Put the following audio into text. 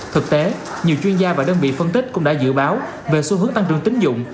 thực tế nhiều chuyên gia và đơn vị phân tích cũng đã dự báo về xu hướng tăng trưởng tính dụng